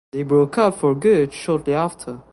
They broke up for good shortly after.